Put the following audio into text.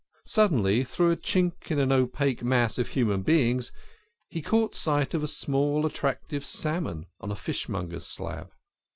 Suddenly, through a chink in an opaque mass of human beings, he caught sight of a small attractive salmon on a fishmonger's slab.